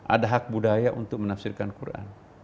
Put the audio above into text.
ada hak budaya untuk menafsirkan quran